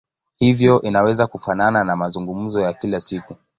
Hivyo inaweza kufanana na mazungumzo ya kila siku.